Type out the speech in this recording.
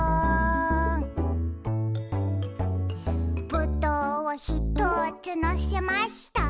「ぶどうをひとつのせました」